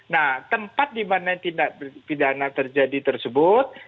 nah tempat dimana tindak pidana terjadi tersebut